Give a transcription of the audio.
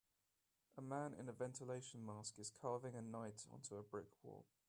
a man in a ventilation mask is carving a knight onto a brick wall